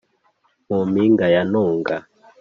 Mu mpinga ya Ntunga